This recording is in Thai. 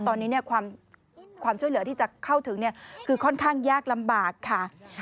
ตอนนี้ความช่วยเหลือที่จะเข้าถึงคือค่อนข้างยากลำบากค่ะ